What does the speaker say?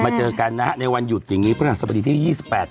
มาเจอกันนะฮะในวันหยุดอย่างงี้เพราะฉะนั้นสมดิตที่ยี่สิบแปด